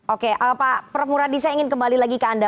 oke pak prof muradisa ingin kembali lagi ke anda